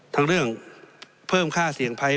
ทั้งเรื่องเพิ่มค่าเสี่ยงภัย